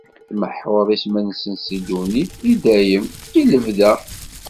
Tmeḥḥuḍ isem-nsen si ddunit, i dayem, i lebda.